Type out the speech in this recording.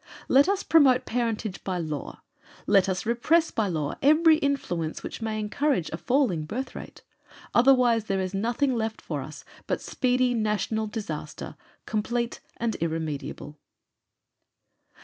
Let us promote parentage by law; let us repress by law every influence which may encourage a falling birth rate; otherwise there is nothing left us but speedy national disaster, complete and irremediable."